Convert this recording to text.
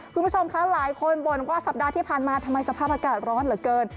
คุณผู้ชมคะหลายคนบ่นว่าสัปดาห์ที่ผ่านมาทำไมสภาพอากาศร้อนเหลือเกิน